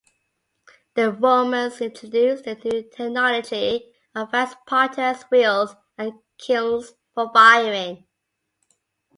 The Romans introduced the new technology of fast potters wheels and kilns for firing.